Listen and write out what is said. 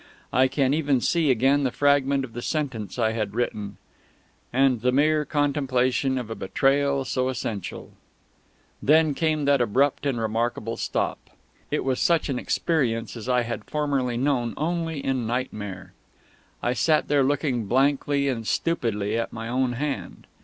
I can even see again the fragment of the sentence I had written: "... _and the mere contemplation of a betrayal so essential _" Then came that abrupt and remarkable stop. It was such an experience as I had formerly known only in nightmare. I sat there looking blankly and stupidly at my own hand.